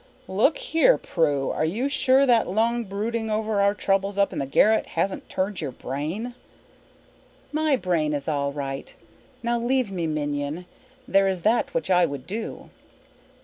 "Look here, Prue. Are you sure that long brooding over our troubles up in the garret hasn't turned your brain?" "My brain is all right. Now leave me, minion. There is that which I would do."